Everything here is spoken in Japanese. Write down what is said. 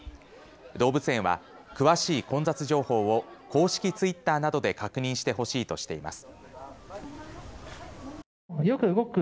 動物園は詳しい混雑情報を公式ツイッターなどで確認してほしいとしています。